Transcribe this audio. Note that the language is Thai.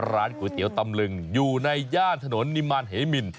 ร้านก๋วยเตี๋ยวตำลึงอยู่ในย่านถนนนิมารเหมิน